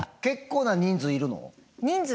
結構な人数いるの？